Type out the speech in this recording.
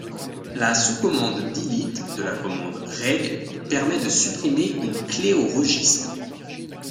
La sous-commande delete de la commande reg permet de supprimer une clé au registre.